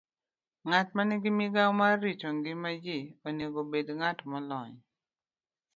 Ng'at ma nigi migawo mar rito ngima ji onego obed ng'at molony